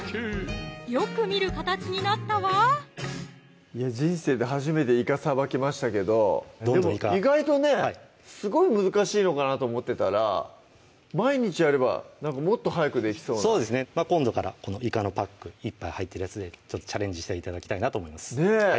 よく見る形になったわ人生で初めていかさばきましたけど意外とねすごい難しいのかなと思ってたら毎日やればもっと早くできそうな今度からこのいかのパック１杯入ってるやつでチャレンジして頂きたいなと思います